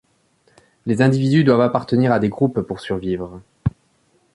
Les individus doivent appartenir à des groupes pour survivre.